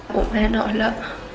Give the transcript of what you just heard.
bố mẹ nói là